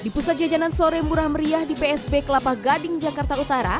di pusat jajanan sore murah meriah di psb kelapa gading jakarta utara